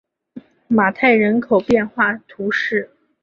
马泰人口变化图示